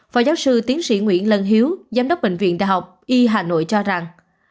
phó giáo sư tiến sĩ nguyễn lân hiếu giám đốc bệnh viện đại học y hà nội cho rằng